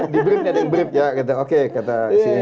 di brief ada yang brief ya oke kata